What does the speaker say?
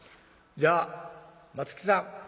じゃあ松木さん」。